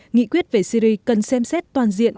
nghị quyết về syri cần xem xét toàn diện